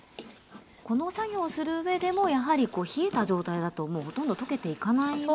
この作業をする上でもやはり冷えた状態だとほとんど溶けていかないわけですね。